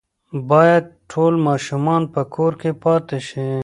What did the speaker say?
باید ټول ماشومان په کور کې پاتې شي.